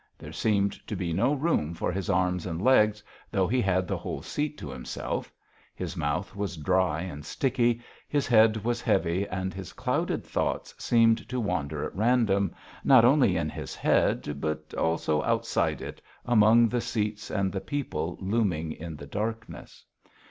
There seemed to be no room for his arms and legs, though he had the whole seat to himself; his mouth was dry and sticky, his head was heavy and his clouded thoughts seemed to wander at random, not only in his head, but also outside it among the seats and the people looming in the darkness.